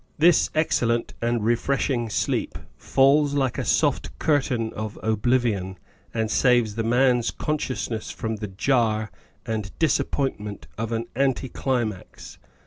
This excellent and refreshing sleep falls like a soft curtain of oblivion and saves the man's consciousness from the jar and disappointment of an anti climax.